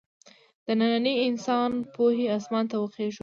د ننني انسان پوهې اسمان ته وخېژو.